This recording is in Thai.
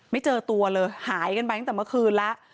ไม่เจอตัวเลยหายกันไปตั้งแต่เมื่อคืนแล้ว